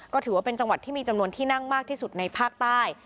ก็ถือว่าเป็นจังหวัดที่มีจำนวนที่นั่งมากที่สุดในภาคใต้